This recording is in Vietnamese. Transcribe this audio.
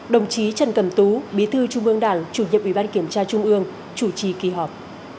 đồng chí trần cẩm tú bí thư trung ương đảng chủ nhiệm ủy ban kiểm tra trung ương chủ trì kỳ họp